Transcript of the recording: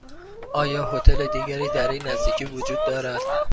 آیا هتل دیگری در این نزدیکی وجود دارد؟